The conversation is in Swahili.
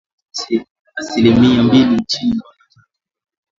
asilimia mbili nchini Rwanda tatu